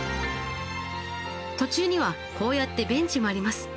途中にはこうやってベンチもあります。